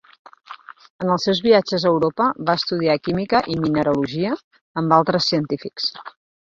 En els seus viatges a Europa, va estudiar química i mineralogia amb altres científics.